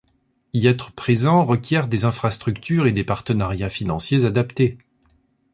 Y être présent requiert des infrastructures et des partenariats financiers adaptés.